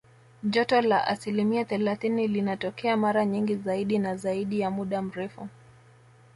Joto la asilimia thelathini linatokea mara nyingi zaidi na zaidi ya muda mrefu